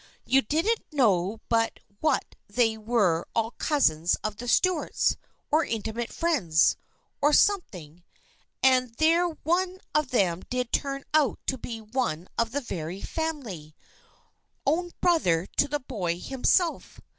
You didn't know but what they were all cousins of the Stuarts, or intimate friends, or something, and there one of them did turn out to be one of the very family, THE FRIENDSHIP OF ANNE 241 own brother to the boy himself.